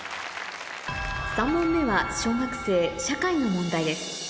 ３問目は小学生社会の問題です